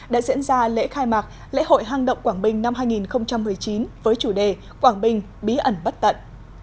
đã diễn ra lễ khai mạc lễ hội hang động quảng bình năm hai nghìn một mươi chín với chủ đề quảng bình bí ẩn bất tận